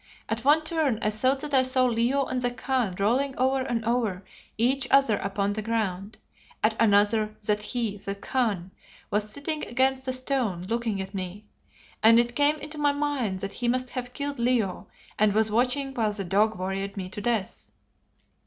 At one turn I thought that I saw Leo and the Khan rolling over and over each other upon the ground; at another, that he, the Khan, was sitting against a stone looking at me, and it came into my mind that he must have killed Leo and was watching while the dog worried me to death.